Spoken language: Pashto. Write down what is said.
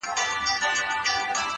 پوهه له کنجکاو ذهن سره مینه لري’